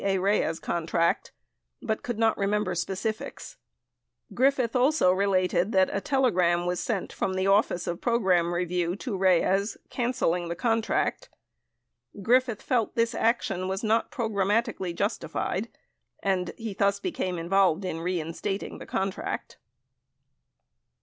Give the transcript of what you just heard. A. Reyes contract, but could not remember specifics. Griffith also related that a telegram was sent from the Office of Program Review to Reyes canceling the contract. Griffith felt this action was not programmatically justified, and thus became involved in reinstating the contract.